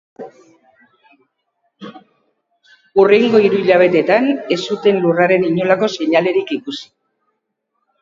Hurrengo hiru hilabetetan ez zuten lurraren inolako seinalerik ikusi.